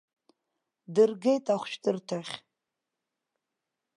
Дыргеит ахәышәтәырҭахь.